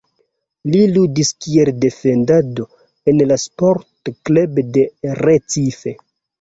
Li ludis kiel defendanto en la Sport Club do Recife.